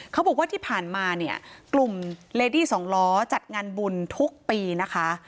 เขาบอกว่าที่ผ่านมาเนี่ยกลุ่มเลดี้สองล้อจัดงานบุญทุกปีนะคะ